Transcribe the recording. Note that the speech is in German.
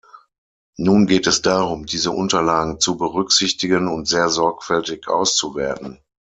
Nun geht es darum, diese Unterlagen zu berücksichtigen und sehr sorgfältig auszuwerten.